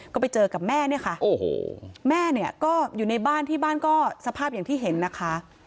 ก็ไปเจอกับแม่เนี่ยค่ะโอ้โหแม่เนี่ยก็อยู่ในบ้านที่บ้านก็สภาพอย่างที่เห็นนะคะ